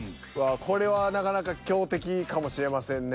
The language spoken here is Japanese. これはなかなか強敵かもしれませんね